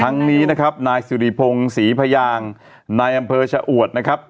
นี้นะครับนายสุริพงศ์ศรีพยางนายอำเภอชะอวดนะครับ